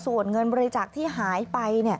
ส่วนเงินบริจาคที่หายไป